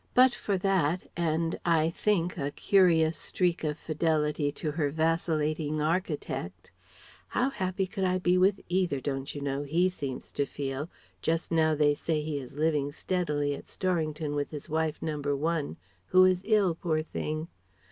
But for that, and I think a curious streak of fidelity to her vacillating architect ('How happy could I be with either,' don't you know, he seems to feel just now they say he is living steadily at Storrington with his wife No. 1, who is ill, poor thing)